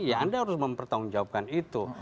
ya anda harus mempertanggung jawabkan itu